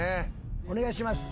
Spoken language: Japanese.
お願いします。